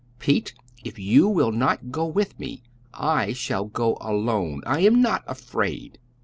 "Pete, if you will not go with me I shall go alone. I am not afraid."